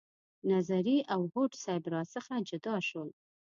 نظري او هوډ صیب را څخه جدا شول.